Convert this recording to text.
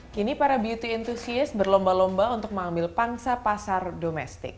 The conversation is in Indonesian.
kini para beauty entusiast berlomba lomba untuk mengambil pangsa pasar domestik